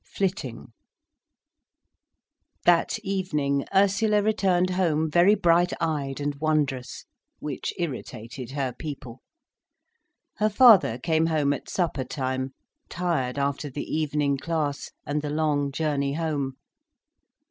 FLITTING That evening Ursula returned home very bright eyed and wondrous—which irritated her people. Her father came home at suppertime, tired after the evening class, and the long journey home.